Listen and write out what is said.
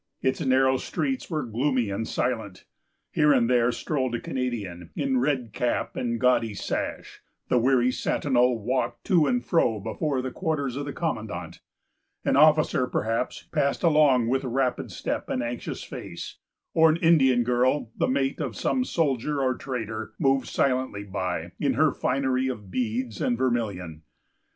Its narrow streets were gloomy and silent. Here and there strolled a Canadian, in red cap and gaudy sash; the weary sentinel walked to and fro before the quarters of the commandant; an officer, perhaps, passed along with rapid step and anxious face; or an Indian girl, the mate of some soldier or trader, moved silently by, in her finery of beads and vermilion.